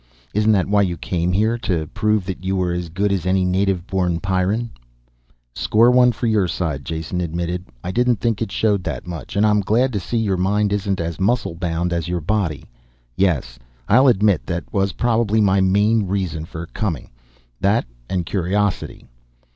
Isn't that why you came here? To prove that you were as good as any native born Pyrran?" "Score one for your side," Jason admitted. "I didn't think it showed that much. And I'm glad to see your mind isn't as muscle bound as your body. Yes, I'll admit that was probably my main reason for coming, that and curiosity."